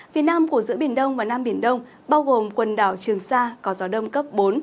phía nam của giữa biển đông và nam biển đông bao gồm quần đảo trường sa có gió đông cấp bốn